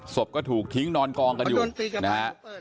ศพก็ถูกทิ้งนอนกองกันอยู่นะฮะ